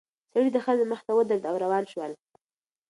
سړی د ښځې مخې ته ودرېد او روان شول.